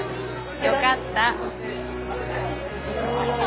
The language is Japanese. よかった。